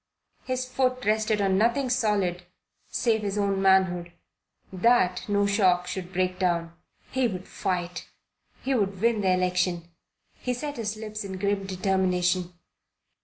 His foot rested on nothing solid save his own manhood. That no shock should break down. He would fight. He would win the election. He set his lips in grim determination.